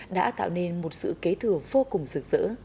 đã tạo nên một sự kế thừa vô cùng rực rỡ